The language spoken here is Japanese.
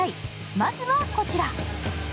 まずはこちら。